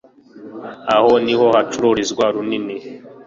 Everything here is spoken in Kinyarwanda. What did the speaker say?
Aha niho hacururizwa runini